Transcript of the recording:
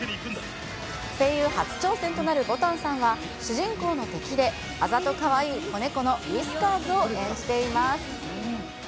声優初挑戦となるぼたんさんは、主人公の敵で、あざとかわいい子猫のウィスカーズを演じています。